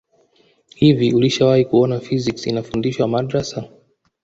hivi ulishawahi kuona physics inafundishwa madrasa